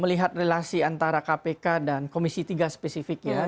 melihat relasi antara kpk dan komisi tiga spesifik ya